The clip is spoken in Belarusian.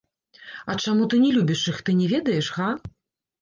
А чаму ты не любіш іх, ты не ведаеш, га?